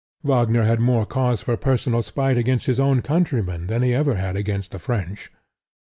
Wagner had more cause for personal spite against his own countrymen than he ever had against the French.